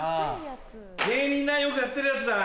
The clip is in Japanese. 芸人がよくやってるやつだな。